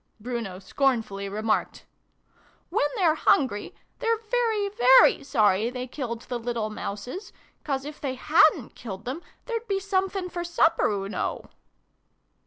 Bruno scornfully remarked. " When they're hungry, they're very, very sorry they killed the little Mouses, 'cause if they hadrtt killed them there'd be sumfin for supper, oo know